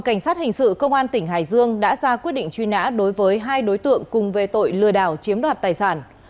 cảnh sát hình sự công an tỉnh hải dương đã ra quyết định truy nã đối với hai đối tượng cùng về tội lừa đảo chiếm đoạt tài sản